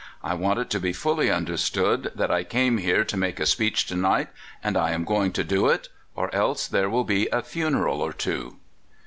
I want it to be fully understood that I came here to make a speech to night, and I am going to do it, or else there will be a funeral or two."